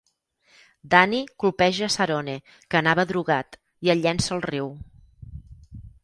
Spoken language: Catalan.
Danny colpeja Sarone, que anava drogat, i el llença al riu.